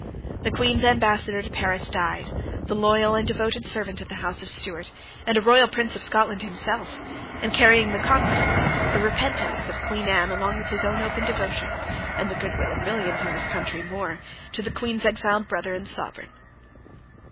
The Queen's ambassador to Paris died, the loyal and devoted servant of the House of Stuart, and a Royal Prince of Scotland himself, and carrying the confidence, the repentance of Queen Anne along with his own open devotion, and the good will of millions in the country more, to the Queen's exiled brother and sovereign.